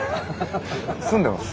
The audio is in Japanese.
住んでます。